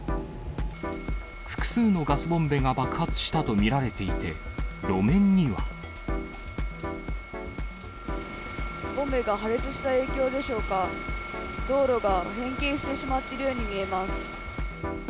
複数のガスボンベが爆発したと見られていて、路面には。ボンベが破裂した影響でしょうか、道路が変形してしまっているように見えます。